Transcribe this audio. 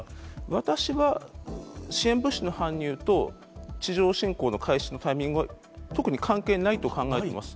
私は、支援物資の搬入と、地上侵攻の開始のタイミングは特に関係ないと考えています。